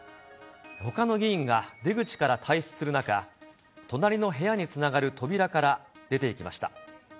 ほかの議員が出口から退出する中、隣の部屋につながる扉から出ていきました。